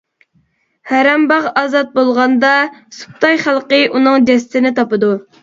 ھەرەم باغ ئازاد بولغاندا، سۇپتاي خەلقى ئۇنىڭ جەسىتىنى تاپىدۇ.